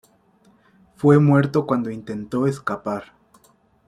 Fue muerto cuando intentó escapar.